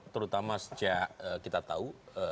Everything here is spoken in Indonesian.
terutama sejak kita tahu